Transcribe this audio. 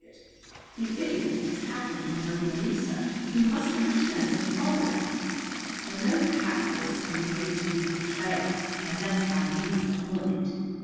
"The idiot has happened on Mona Lisa, who must have returned and followed us. And no pack horse can be made to leave the trail unless by means of a hornet.